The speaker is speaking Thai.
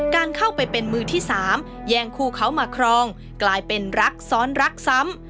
การเข้าไปเป็นมือที่สามแย่งคู่เขามาครองกลายเป็นรักซ้อนรักซ้ำ